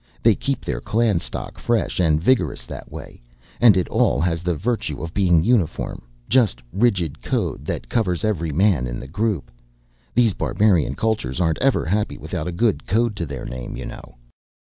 They keep their clan stock fresh and vigorous that way. And it all has the virtue of being a uniform, just, rigid code that covers every man in the group. These barbarian cultures aren't ever happy without a good code to their name, you know."